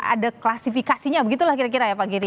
ada klasifikasinya begitulah kira kira ya pak giri